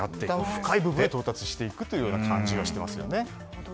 深い部分へ到達していくという感じがしますよね。